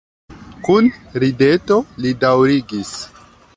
Kun rideto li daŭrigis.